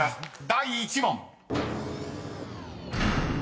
第１問］